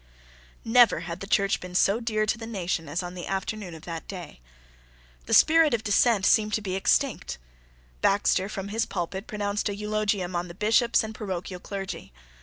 Never had the Church been so dear to the nation as on the afternoon of that day. The spirit of dissent seemed to be extinct. Baxter from his pulpit pronounced an eulogium on the Bishops and parochial clergy.